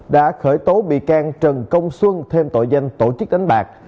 đã khởi tố bị can trần công xuân thêm tội danh tổ chức đánh bạc